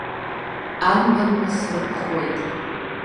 Анбанқәа срыԥхуеит…